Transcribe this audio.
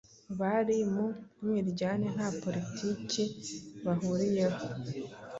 bari mu mwiryane nta politiki bahuriyeho